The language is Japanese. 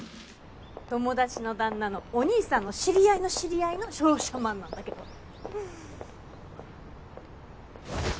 友達の旦那のお兄さんの知り合いの知り合いの商社マンなんだけど。